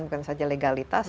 bukan saja legalitas